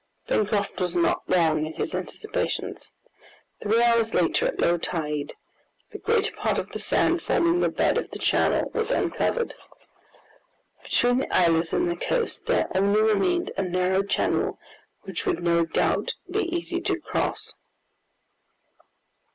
Pencroft was not wrong in his anticipations. Three hours later at low tide, the greater part of the sand forming the bed of the channel was uncovered. Between the islet and the coast there only remained a narrow channel which would no doubt be easy to cross.